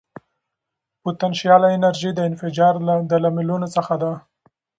پوتنشیاله انرژي د انفجار د لاملونو څخه ده.